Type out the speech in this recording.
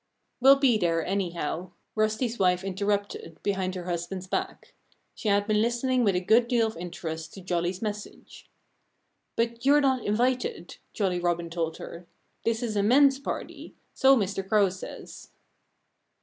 "We'll be there, anyhow," Rusty's wife interrupted behind her husband's back. She had been listening with a good deal of interest to Jolly's message. "But you're not invited," Jolly Robin told her. "This is a men's party so Mr. Crow says."